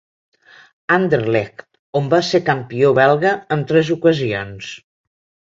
Anderlecht on va ser campió belga en tres ocasions.